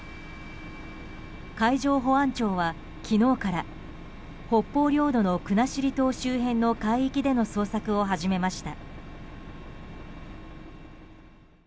海上保安庁は昨日から北方領土の国後島周辺の海域での捜索を始めました。